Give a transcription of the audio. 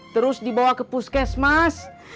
terus dibawa ke puskes mas